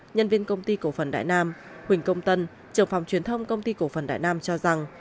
nhân viên công ty cổ phần đại nam huỳnh công tân trưởng phòng truyền thông công ty cổ phần đại nam cho rằng